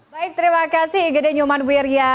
baik terima kasih gede nyuman wirja